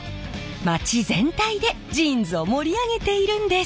街全体でジーンズを盛り上げているんです。